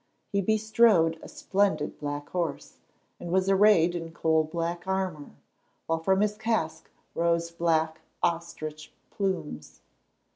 He bestrode a splendid black horse, and was arrayed in coal black armour, while from his casque rose black ostrich plumes.